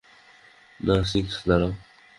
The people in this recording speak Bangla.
না, সিক্স, দাঁড়াও।